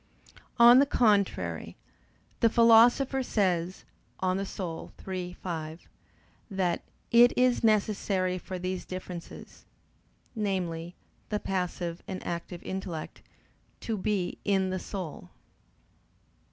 On the contrary, The Philosopher says (De Anima iii, 5), that "it is necessary for these differences," namely, the passive and active intellect, "to be in the soul."